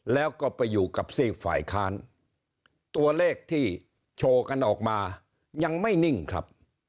แล้วก็ไปอยู่กับซีกฝ่ายค้านตัวเลขที่โชว์กันออกมายังไม่นิ่งครับ